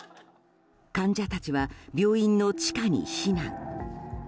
患者たちは病院の地下に避難。